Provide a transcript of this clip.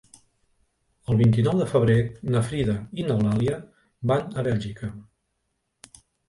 El vint-i-nou de febrer na Frida i n'Eulàlia van a Bèlgida.